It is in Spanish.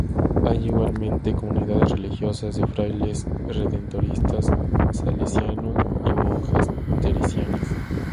Hay igualmente comunidades religiosas de frailes redentoristas, salesianos y monjas teresianas.